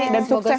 dan sukses ya